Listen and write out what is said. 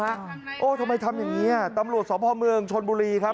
ทำยังไงทำอย่างนี้ตำรวจสวทพศาลเมืองชนบุรีครับ